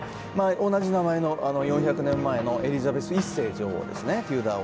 同じ名前の４００年前のエリザベス１世女王ですね。